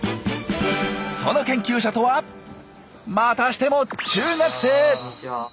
その研究者とはまたしても中学生。